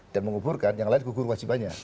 dan menguburkan yang lain gugur kewajibannya